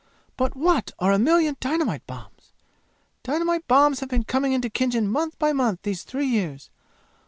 "But what are a million dynamite bombs! Dynamite bombs have been coming into Khinjan month by month these three years!